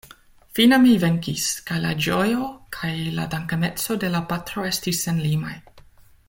Fine mi venkis, kaj la ĝojo kaj la dankemeco de la patro estis senlimaj.